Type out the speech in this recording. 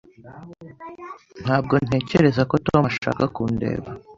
Ntabwo ntekereza ko Tom ashaka kundeba.